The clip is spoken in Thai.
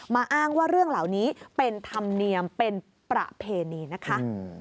อ้างว่าเรื่องเหล่านี้เป็นธรรมเนียมเป็นประเพณีนะคะ